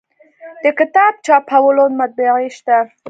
د کتاب چاپولو مطبعې شته